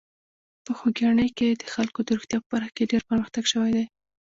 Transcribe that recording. په خوږیاڼي کې د خلکو د روغتیا په برخه کې ډېر پرمختګ شوی دی.